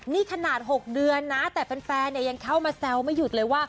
นี่ขนาด๖เดือนนะแต่แฟนยังเข้ามาแซวไม่หยุดเลยว่า